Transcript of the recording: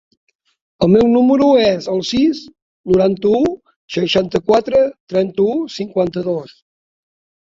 El meu número es el sis, noranta-u, seixanta-quatre, trenta-u, cinquanta-dos.